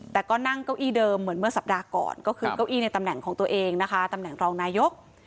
แต่ก็นั่งเก้าอี้เดิมเหมือนเมื่อสัปดาห์ก่อนก็คือเก้าอี้ในตำแหน่งของตัวเองนะคะตำแหน่งรองนายก